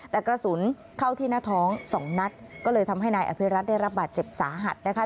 แต่กระสุนเข้าที่หน้าท้องสองนัดก็เลยทำให้นายอภิรัตได้รับบาดเจ็บสาหัสนะคะ